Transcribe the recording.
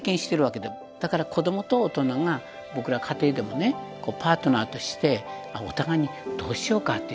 だから子どもと大人が僕ら家庭でもねこうパートナーとしてお互いにどうしようかっていう。